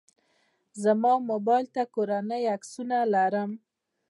زما موبایل ته کورنۍ عکسونه لرم.